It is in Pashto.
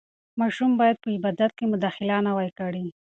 ماشوم باید په عبادت کې مداخله نه وای کړې.